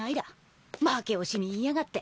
負け惜しみ言いやがって。